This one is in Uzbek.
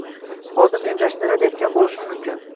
Xodim emlashni rad etgan bo'lishi mumkin